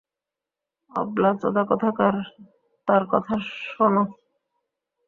আব্লাচোদা কোথাকার, তার কথা শোন!